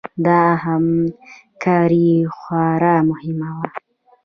دا همکاري خورا مهمه وه.